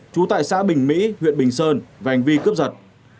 chú tại xã bình mỹ huyện bình sơn và hành vi cướp giật